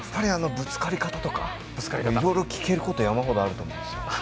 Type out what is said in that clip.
ぶつかり方とかいろいろ聞けることが山ほどあるんで。